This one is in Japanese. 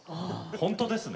本当ですね？